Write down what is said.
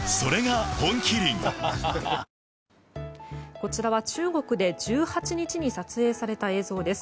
こちらは中国で１８日に撮影された映像です。